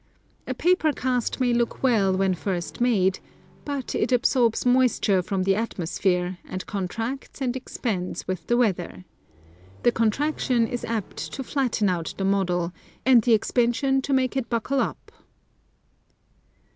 A paper cast may look well when first made, but it absorbs moisture from the atmosphere, and contracts and expands with the weather. The contraction is apt to flatten out the model and the expansion to make it buckle up.